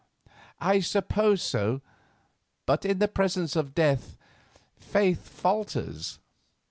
"I suppose so; but in the presence of death faith falters."